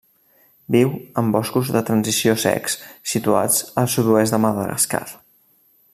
Viu en boscos de transició secs situats al sud-oest de Madagascar.